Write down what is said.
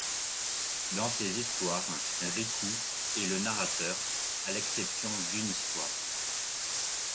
Dans ces histoires Riku est le narrateur, à l'exception d'une histoire.